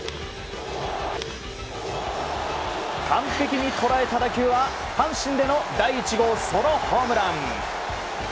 完璧に捉えた打球は阪神での第１号ソロホームラン。